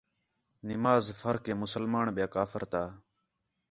نماز فرق ہِے مسلمان ٻِیا کافر تا